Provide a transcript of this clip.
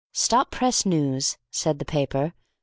"Stop press news," said the paper.